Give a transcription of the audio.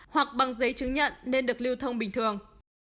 hoặc bằng giấy chứng nhận nên được lưu thông bình thường